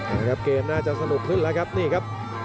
โอเคครับเพราะที่อีกก็เลยสนุนขึ้นได้เลยค่ะ